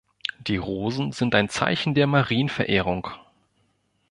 Die Rosen sind ein Zeichen der Marienverehrung.